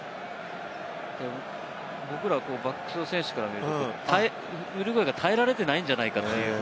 僕らバックスの選手から見るとウルグアイが与えられていないんじゃないかな。